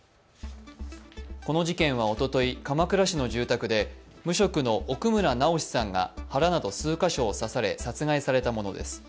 この事件はおととい、鎌倉市の住宅で無職の奥村直司さんが腹など数カ所を刺され殺害されたものです。